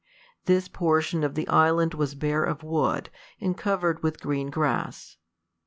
This portion of the island was bare of wood, and covered with green grass.